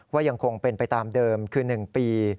ยังคงเป็นไปตามเดิมคือ๑ปี